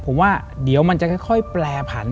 ผมว่าเดี๋ยวมันจะค่อยแปรผัน